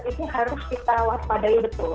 itu harus kita waspadai betul